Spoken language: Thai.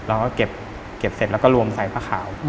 เราก็เก็บเสร็จแล้วก็รวมใส่ผ้าขาว